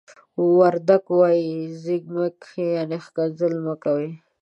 وردگ وايي: "زيَړِ مَ کَ." يعنې ښکنځل مه کوه.